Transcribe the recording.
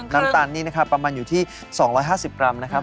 เพลิ่นน้ำตาลนี่นะครับประมาณอยู่ที่สองร้อยห้าสิบกรัมนะครับค่ะ